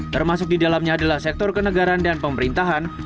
termasuk di dalamnya adalah sektor kenegaran dan pemerintahan